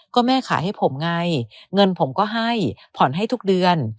ก็แม่ขายให้ผมไงเงินผมก็ให้ผ่อนให้ทุกเดือน